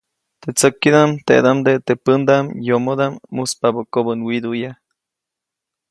Teʼ tsäkidaʼm, teʼdaʼmde teʼ pändaʼm yomodaʼm muspabä kobänwiduʼya.